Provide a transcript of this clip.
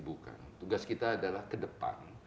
bukan tugas kita adalah ke depan